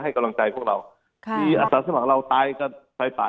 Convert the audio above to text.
กำลังใจพวกเราค่ะมีอาสาสมัครเราตายกับไฟป่า